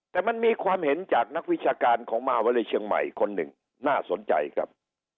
แต่มันมีความเห็นจากนักวิชาการของมหาวิทยาลัยเชียงใหม่คนหนึ่งน่าสนใจครับ